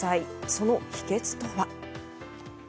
その秘けつとは。